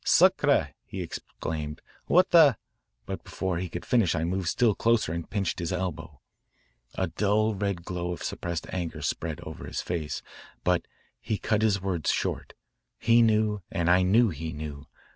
'Sacre,' he exclaimed, 'what the ' But before he could finish I moved still closer and pinched his elbow. A dull red glow of suppressed anger spread over his face, but he cut his words short. He knew and I knew he knew.